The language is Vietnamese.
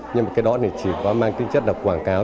nhưng cái đó chỉ có mang tính chất là quảng cáo